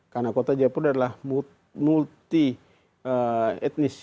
karena kota jaipura adalah multi etnis